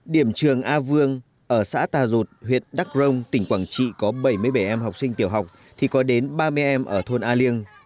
điểm trường a vương ở xã tà rột huyện đắk rông tỉnh quảng trị có bảy mươi bảy em học sinh tiểu học thì có đến ba mươi em ở thôn a liêng